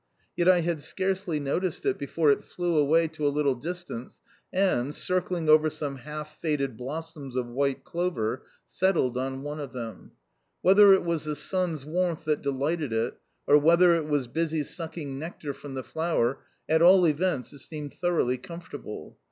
Yet I had scarcely noticed it before it flew away to a little distance and, circling over some half faded blossoms of white clover, settled on one of them. Whether it was the sun's warmth that delighted it, or whether it was busy sucking nectar from the flower, at all events it seemed thoroughly comfortable.